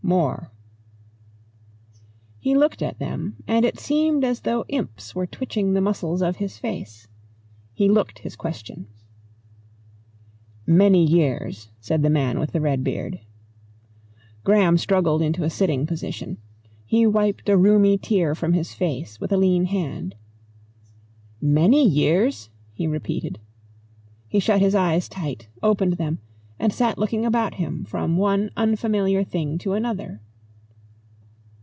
"More." He looked at them and it seemed as though imps were twitching the muscles of his face. He looked his question. "Many years," said the man with the red beard. Graham struggled into a sitting position. He wiped a rheumy tear from his face with a lean hand. "Many years!" he repeated. He shut his eyes tight, opened them, and sat looking about him from one unfamiliar thing to another.